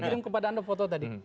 kirim kepada anda foto tadi